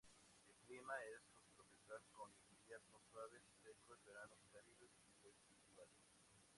El clima es subtropical con inviernos suaves y secos, veranos cálidos y lluvias estivales.